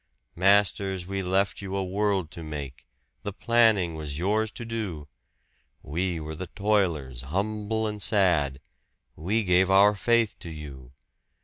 Masters, we left you a world to make, the planning was yours to do We were the toilers, humble and sad, we gave our faith to you.